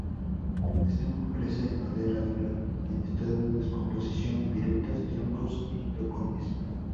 Este hongo crece en madera dura en estado de descomposición, virutas, troncos y tocones.